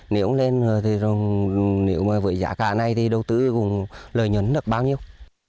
nếu không lên với giá cả này đầu tư cũng lời nhấn được bao nhiêu